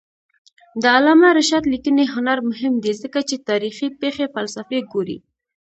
د علامه رشاد لیکنی هنر مهم دی ځکه چې تاریخي پېښې فلسفي ګوري.